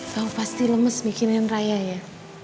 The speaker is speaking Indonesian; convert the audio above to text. kau pasti lemes bikinan raya ya